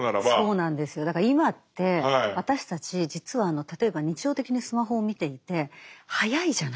だから今って私たち実は例えば日常的にスマホを見ていて速いじゃないですか。